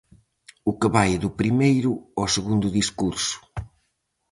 O que vai do Primeiro ao Segundo Discurso.